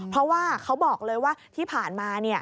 เพราะว่าเขาบอกเลยว่าที่ผ่านมา